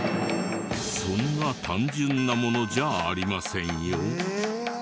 そんな単純なものじゃありませんよ。